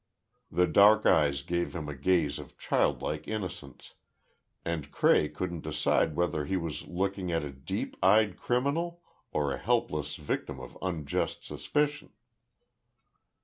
The dark eyes gave him a gaze of childlike innocence, and Cray couldn't decide whether he was looking at a deep dyed criminal or a helpless victim of unjust suspicion.